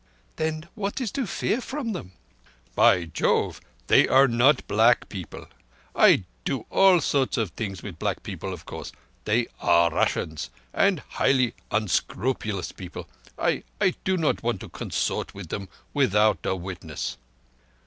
"Then what is to fear from them?" "By Jove, they are not black people. I can do all sorts of things with black people, of course. They are Russians, and highly unscrupulous people. I—I do not want to consort with them without a witness."